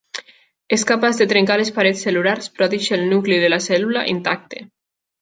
És capaç de trencar les parets cel·lulars, però deixa el nucli de la cèl·lula intacte.